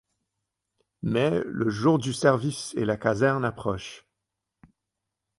Mais le jour du service et la caserne approchent…